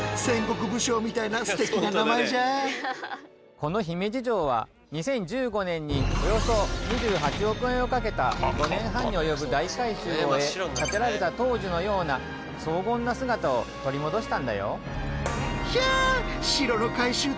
この姫路城は２０１５年におよそ２８億円をかけた５年半に及ぶ大改修を終え建てられた当時のような荘厳な姿を取り戻したんだよ。